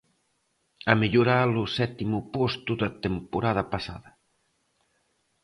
A mellorar o sétimo posto da temporada pasada.